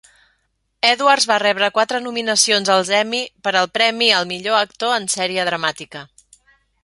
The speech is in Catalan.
Edwards va rebre quatre nominacions als Emmy per al premi al "millor actor en sèrie dramàtica".